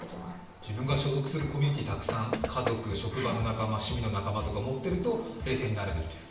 自分が所属するコミュニティーをたくさん、家族、職場、趣味の仲間とか持っていると冷静になれると？